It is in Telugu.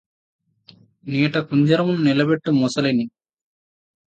నీట కుంజరమును నిలబెట్టు మొసలిని